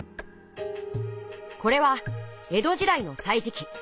これは江戸時代の「歳時記」。